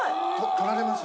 撮られます？